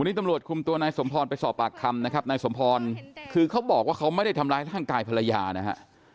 วันนี้ตำรวจคุมตัวนายสมพรไปสอบปากคำนะครับนายสมพรคือเขาบอกว่าเขาไม่ได้ทำร้ายร่างกายภรรยานะฮะ